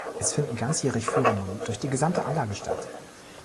Es finden ganzjährig Führungen durch die gesamte Anlage statt.